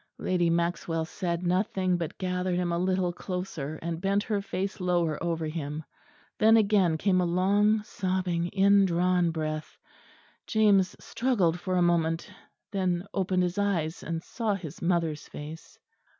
Lady Maxwell said nothing, but gathered him a little closer, and bent her face lower over him. Then again came a long sobbing indrawn breath; James struggled for a moment; then opened his eyes and saw his mother's face.